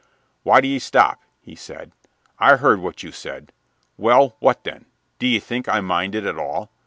"Why d'ye stop?" he said. "I heard what you said. Well, what then? D'ye think I mind it at all?